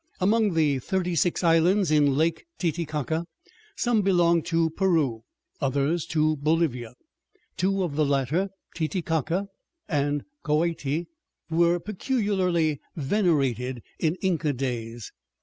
Among the thirty six islands in Lake Titicaca, some belong to Peru, others to Bolivia. Two of the latter, Titicaca and Koati, were peculiarly venerated in Inca days.